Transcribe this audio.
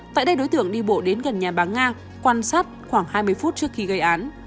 tại đây đối tượng đi bộ đến gần nhà báo nga quan sát khoảng hai mươi phút trước khi gây án